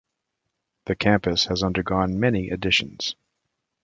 The campus has undergone many additions.